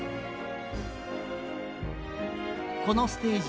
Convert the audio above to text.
このステージ